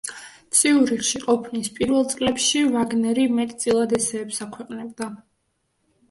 ციურიხში ყოფნის პირველ წლებში ვაგნერი მეტწილად ესეებს აქვეყნებდა.